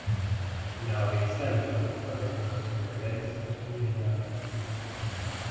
Il a enregistré avec le groupe trois albums sous le label Century Media Records.